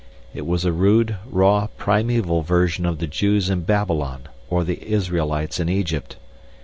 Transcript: It was a rude, raw, primeval version of the Jews in Babylon or the Israelites in Egypt.